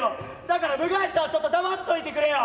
だから部外者はちょっと黙っといてくれよ。